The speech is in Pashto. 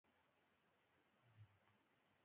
دوه اربه مسلمانان یې تماشبین دي.